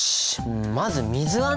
んまず水はね